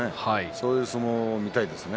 そういう相撲が見たいですね。